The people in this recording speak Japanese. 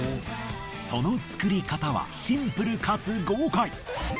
その作り方はシンプルかつ豪快。